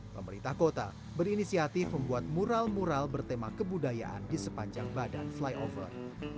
pemerintah kota berinisiatif membuat mural mural bertema kebudayaan di sepanjang badan flyover